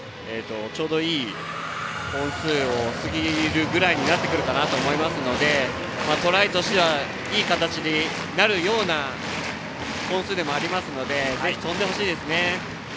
ちょうどいい本数を過ぎるぐらいになってくるかなと思いますのでトライとしてはいい形になるような本数でもありますのでぜひ跳んでほしいですね。